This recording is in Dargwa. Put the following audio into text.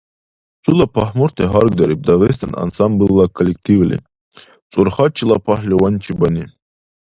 Чула пагьмурти гьаргдариб Дагъистан ансамбльла коллективли, ЦӀурхачила пагьливанчибани.